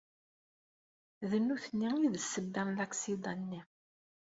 D nutni i d ssebba n laksida-nni.